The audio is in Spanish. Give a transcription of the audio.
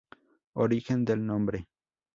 Origen del nombre.